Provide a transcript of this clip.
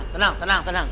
tenang tenang tenang